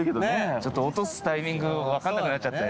ちょっと落とすタイミング分かんなくなっちゃって。